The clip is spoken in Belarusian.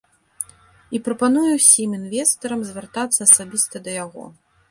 І прапануе ўсім інвестарам звяртацца асабіста да яго.